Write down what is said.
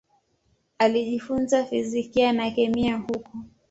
Alijifunza fizikia na kemia huko.